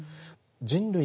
人類